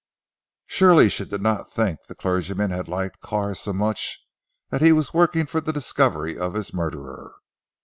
Surely she did not think the clergyman had liked Carr so much that he was working for the discovery of his murderer.